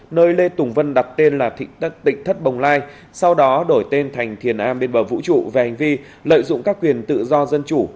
nơi lê tùng vân đặt tên là tỉnh thất bồng lai sau đó đổi tên thành thiền an bên bờ vũ trụ về hành vi lợi dụng các quyền tự do dân chủ